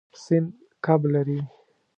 سیند کب لري.